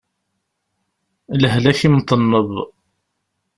Lehlak imṭenneb.